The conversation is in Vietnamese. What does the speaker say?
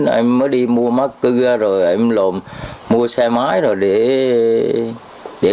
em mới đi mua mắc cư ra rồi em lùm mua xe máy rồi để